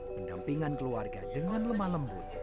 pendampingan keluarga dengan lemah lembut